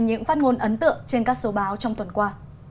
những phát ngôn ấn tượng trên các số báo trong tuần qua